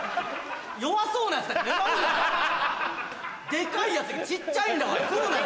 でかいヤツに小っちゃいんだから来るなよ